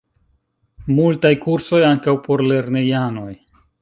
Multaj kursoj, ankaŭ por lernejanoj.